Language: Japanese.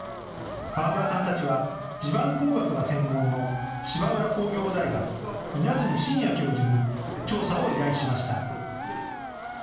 河村さんたちは地盤工学が専門の芝浦工業大学・稲積真哉教授に調査を依頼しました。